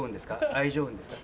愛情運ですか？